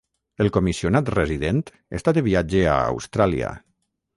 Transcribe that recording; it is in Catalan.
El comissionat resident està de viatge a Austràlia.